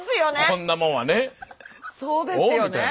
そうですよね。